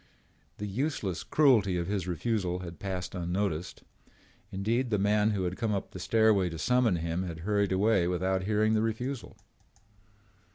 The useless cruelty of his refusal had passed unnoticed. Indeed, the man who had come up the stairway to summon him had hurried away without hearing the refusal.